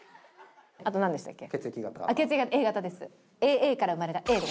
あとなんでしたっけ？